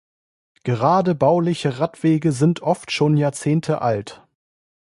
Gerade bauliche Radwege sind oft schon Jahrzehnte alt.